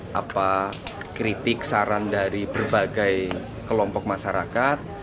beberapa kritik saran dari berbagai kelompok masyarakat